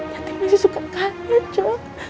yati masih suka keannya cu